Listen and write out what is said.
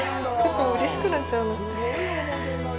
うれしくなっちゃうな。